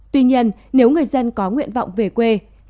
tuy nhiên nếu người dân có nguyện vọng về quê